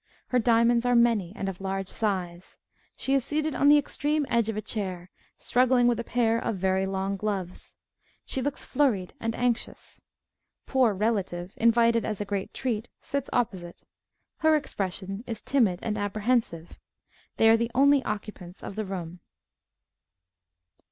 Her diamonds are many and of large size. She is seated on the extreme edge of a chair, struggling with a pair of very long gloves. She looks flurried and anxious._ Poor Relative, _invited as a "great treat," sits opposite. Her expression is timid and apprehensive. They are the only occupants of the room.